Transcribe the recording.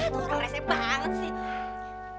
tuh orang rese banget sih